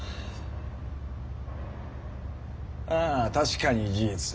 ああたしかに事実だ。